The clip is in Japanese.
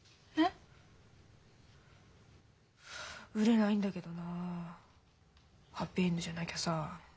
売れないんだけどなあハッピーエンドじゃなきゃさ。